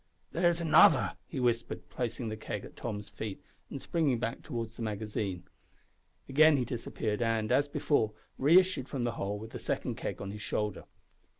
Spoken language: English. "There's another," he whispered, placing the keg at Tom's feet, and springing back towards the magazine. Again he disappeared, and, as before, re issued from the hole with the second keg on his shoulder.